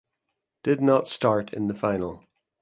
Did not start in the final